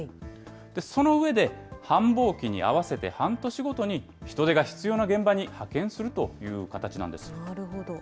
その上で、繁忙期に合わせて半年ごとに人手が必要な現場に派遣するという形なるほど。